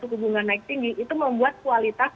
hubungan naik tinggi itu membuat kualitas